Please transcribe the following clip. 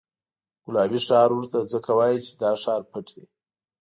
ګلابي ښار ورته ځکه وایي چې دا ښار پټ دی.